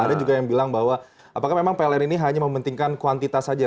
ada juga yang bilang bahwa apakah memang pln ini hanya mementingkan kuantitas saja